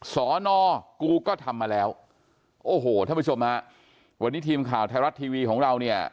สอนอกูก็ทำมาแล้วทุกวันในทีมข่าวไททยารัสทีวีของเรา